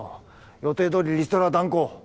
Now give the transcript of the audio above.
予定どおりリストラは断行。